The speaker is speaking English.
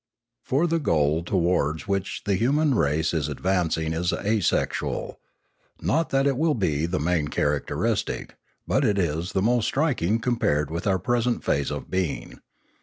For the goal towards which the human race is ad vancing is asexual; not that that will be the main characteristic; but it is the most striking compared with our present phase of being.